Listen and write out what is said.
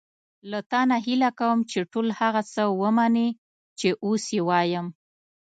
له تا نه هیله کوم چې ټول هغه څه ومنې چې اوس یې وایم.